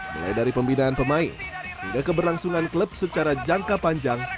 mulai dari pembinaan pemain hingga keberlangsungan klub secara jangka panjang